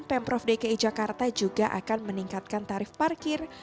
pemprov dki jakarta juga akan meningkatkan tarif parkir